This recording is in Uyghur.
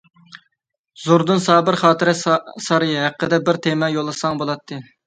«زوردۇن سابىر خاتىرە سارىيى» ھەققىدە بىر تېما يوللىساڭ بولاتتى.